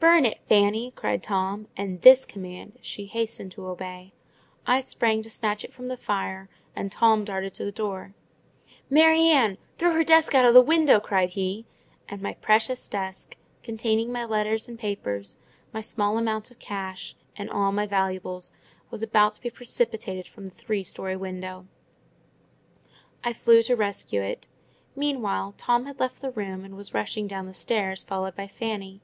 "Burn it, Fanny!" cried Tom: and this command she hastened to obey. I sprang to snatch it from the fire, and Tom darted to the door. "Mary Ann, throw her desk out of the window!" cried he: and my precious desk, containing my letters and papers, my small amount of cash, and all my valuables, was about to be precipitated from the three storey window. I flew to rescue it. Meanwhile Tom had left the room, and was rushing down the stairs, followed by Fanny.